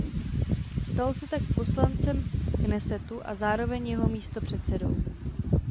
Stal se tak poslancem Knesetu a zároveň jeho místopředsedou.